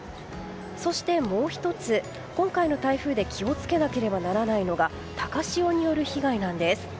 そして、もう１つ今回の台風で気を付けなければならないのが高潮による被害なんです。